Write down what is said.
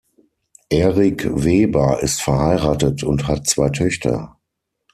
Eric Weber ist verheiratet und hat zwei Töchter.